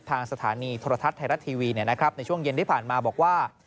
ทางสถานีโทรทัศน์ไทยรัฐทีวีในช่วงเย็นที่ผ่านมาบอกว่า